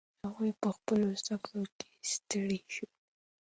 هغوی په خپلو زده کړو کې ستړي سول.